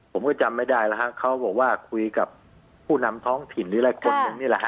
ผมก็จำไม่ได้แล้วฮะเขาบอกว่าคุยกับผู้นำท้องถิ่นหรืออะไรคนหนึ่งนี่แหละฮ